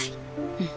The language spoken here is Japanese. うん。